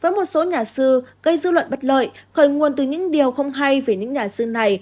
với một số nhà sư gây dư luận bất lợi khởi nguồn từ những điều không hay về những nhà sư này